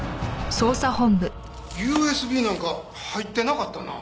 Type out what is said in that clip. ＵＳＢなんか入ってなかったな。